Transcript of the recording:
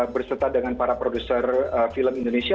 berserta dengan para produser film indonesia